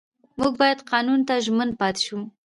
موږ باید قانون ته ژمن پاتې شو